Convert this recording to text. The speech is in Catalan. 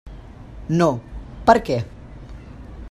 No, per què?